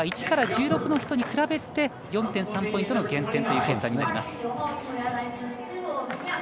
１から１６の人に比べて４．３ポイントの減点という計算になります。